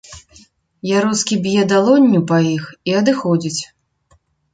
Яроцкі б'е далонню па іх і адыходзіць.